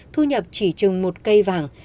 thu nhập chỉ chừng một cây vàng